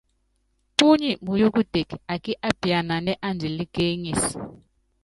Púnyi muyú kuteke akí apiananɛ́ andilɛ́ kéeŋísi.